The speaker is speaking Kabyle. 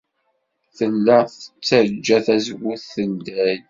Tella tettajja tazewwut teldey.